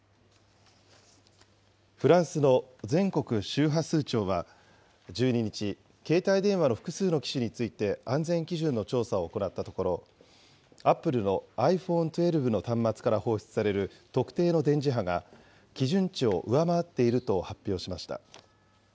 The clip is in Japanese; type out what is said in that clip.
フランスの全国周波数庁は１２日、携帯電話の複数の機種について安全基準の調査を行ったところ、アップルのｉＰｈｏｎｅ１２の端末から放出される特定の電磁波が、基準値を上回っていると発表しました。